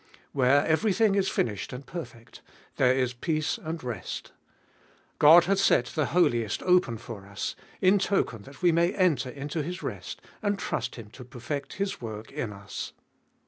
Where everything is finished and perfect, there is peace and rest. God hath set the Holiest open for us, in token that we may enter into His rest, and trust Him to perfect His work in us.